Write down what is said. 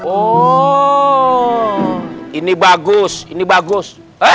oh ini bagus ini bagus